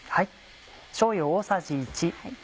しょうゆ大さじ１。